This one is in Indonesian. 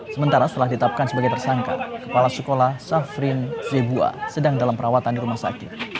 sementara setelah ditetapkan sebagai tersangka kepala sekolah syafrin zebua sedang dalam perawatan di rumah sakit